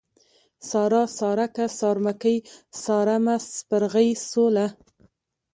سارا ، سارکه ، سارمکۍ ، سارمه ، سپرغۍ ، سوله